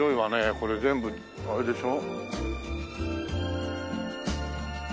これ全部あれでしょ？